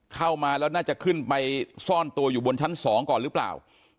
เข้ามาแล้วน่าจะขึ้นไปซ่อนตัวอยู่บนชั้น๒ก่อนหรือเปล่า